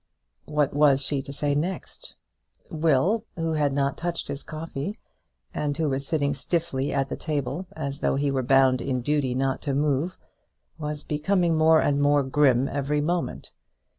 What was she to say next? Will, who had not touched his coffee, and who was sitting stiffly at the table as though he were bound in duty not to move, was becoming more and more grim every moment.